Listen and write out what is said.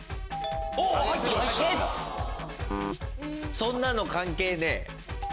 そんなの関係ねえ！